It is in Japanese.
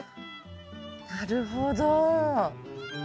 なるほど。